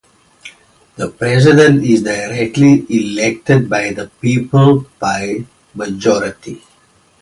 The president is directly elected by the people, by majority.